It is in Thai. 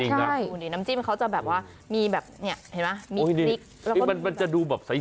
จริงน่ะน้ำจิ้มเขาจะแบบว่ามีแบบเนี้ยเห็นไหมมันจะดูแบบใส